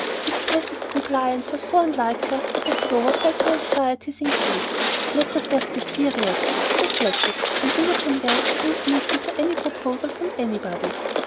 This passive compliance was so unlike her that Clover felt her anxieties increase. "Matters must be serious," she reflected, "when Imogen Young agrees meekly to any proposal from anybody."